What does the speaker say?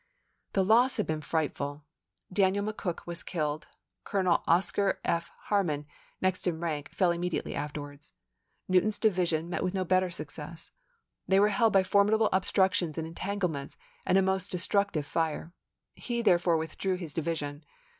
The loss had been frightful. Daniel Mc Cook was killed, Colonel Oscar F. Harmon, next in rank, fell immediately afterwards. Newton's divi sion met with no better success. They were held by formidable obstructions and entanglements and a most destructive fire. He, therefore, withdrew his division.